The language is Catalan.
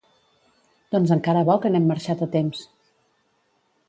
Doncs encara bo que n'hem marxat a temps!